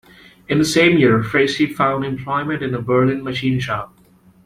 In the same year Fritsche found employment in a Berlin machine shop.